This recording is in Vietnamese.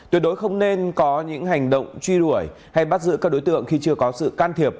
tuyệt đối không nên có những hành động truy đuổi hay bắt giữ các đối tượng khi chưa có sự can thiệp